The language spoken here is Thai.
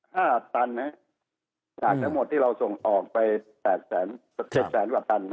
หลังจากทั้งหมดที่เราส่งออกไป๗แสนกว่าตัน